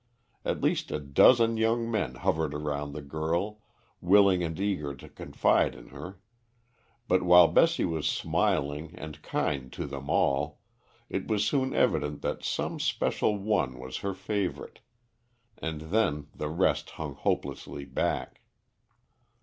At least a dozen young men hovered round the girl, willing and eager to confide in her; but while Bessie was smiling and kind to them all, it was soon evident that some special one was her favourite, and then the rest hung hopelessly back.